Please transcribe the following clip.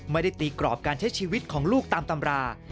ไม่ได้ตีกรอบการใช้ชีวิตของลูกตามตำรา